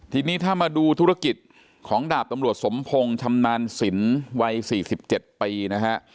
ทีนี้ถ้ามาดูธุรกิจของดาบตำรวจสมพงศ์ชำนาญสินวัย๔๗ปีนะฮะ